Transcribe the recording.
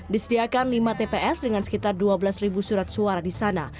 disediakan lima tps dengan sekitar dua belas surat suara di sana